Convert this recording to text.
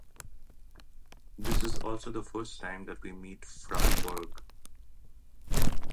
This is also the first time that we meet Frau Berg.